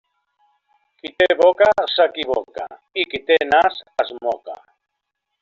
Qui té boca s'equivoca i qui té nas es moca.